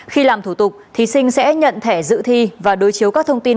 khi làm thủ tục thí sinh sẽ nhận thẻ dự thi và đối chiếu các thông tin